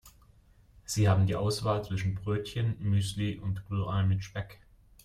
Sie haben die Auswahl zwischen Brötchen, Müsli und Rührei mit Speck.